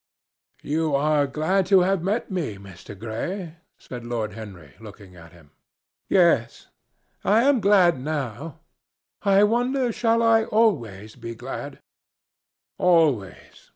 "You are glad you have met me, Mr. Gray," said Lord Henry, looking at him. "Yes, I am glad now. I wonder shall I always be glad?" "Always!